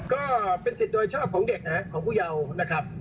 ก็เป็นศิษย์โดยชอบของเด็กนะฮะของผู้เยาว์นะครับ